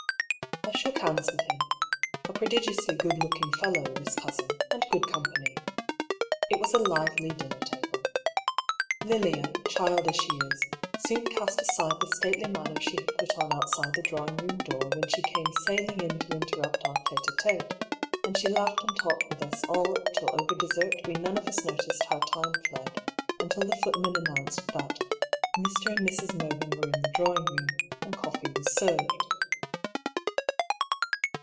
^ I shook hands with him. A prodigiously good look ing fellow, this cousin, and good company. It was a lively dinner table. Lilia, child as she is, soon cast aside the stately manner she had put on outside the drawing room door when she came sailing in to inter rupt our tSte d'tete; and she laughed and talked with us all till over dessert we none of us noticed how time fled, until the footman announced that '^ Mr. and Mrs. Mervyn were in the drawing room, and coffee was served."